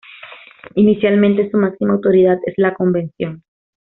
Inicialmente su máxima autoridad es la convención.